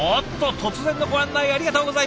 突然のご案内ありがとうございます。